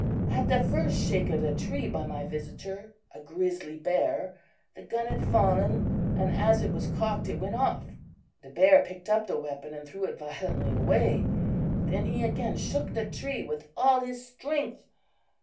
At the first shake of the tree by my visitor, a grizzly bear, the gun had fallen, and as it was cocked, it went off. "The bear picked up the weapon and threw it violently away; then he again shook the tree with all his strength.